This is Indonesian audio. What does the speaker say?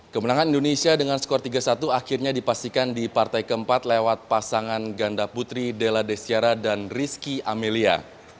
kemenangan indonesia dengan skor tiga satu akhirnya dipastikan di partai keempat lewat pasangan ganda putri della desiara dan rizky amelia